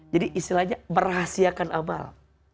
jadi istilahnya merahasiakan amal